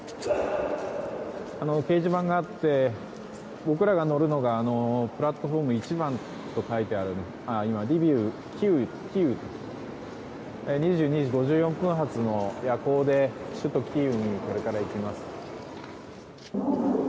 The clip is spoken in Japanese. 掲示板があって、僕らが乗るのがプラットホーム１番と書いてあるリビウキーウ２２時５４分発の夜行でキーウにこれから行きます。